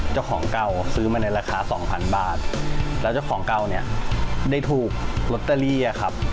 เจ้าของเก่าซื้อมาในราคาสองพันบาทแล้วเจ้าของเก่าเนี่ยได้ถูกลอตเตอรี่อะครับ